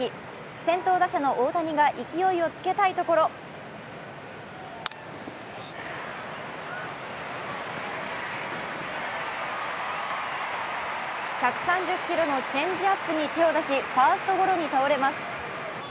先頭打者の大谷が勢いをつけたいところ１３０キロのチェンジアップに手を出しファーストゴロに倒れます。